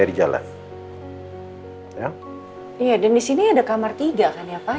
di sini ada kamar tiga kan ya pak